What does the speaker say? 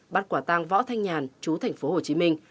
bắt quả tăng võ thanh nhàn chú thành phố hồ chí minh